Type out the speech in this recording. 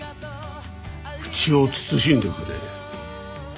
口を慎んでくれ。